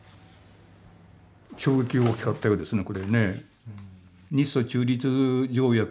衝撃が大きかったようですねこれね。